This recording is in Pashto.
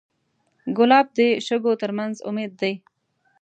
ګلاب د شګو تر منځ امید دی.